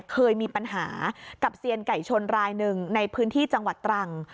เคยมีปัญหากับเซียนไก่ชนรายหนึ่งในพื้นที่จังหวัดตรัง